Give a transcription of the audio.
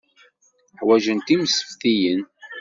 Ḥwaǧent imseftiyen.